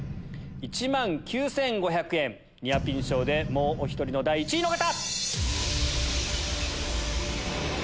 １万９５００円ニアピン賞でもうお１人の第１位の方！